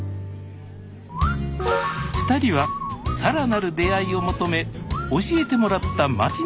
２人は更なる出会いを求め教えてもらった町の中心部へ。